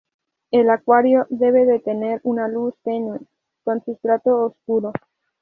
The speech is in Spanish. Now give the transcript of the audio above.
El acuario debe de tener una luz tenue, con sustrato oscuro.